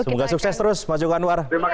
semoga sukses terus mas joko anwar